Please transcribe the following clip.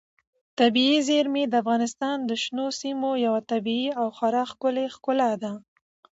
طبیعي زیرمې د افغانستان د شنو سیمو یوه طبیعي او خورا ښکلې ښکلا ده.